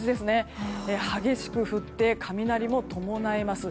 激しく降って雷も伴います。